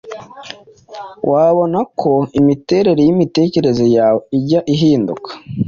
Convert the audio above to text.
wabona ko imiterere y’imitekerereze yawe ijya ihinduka?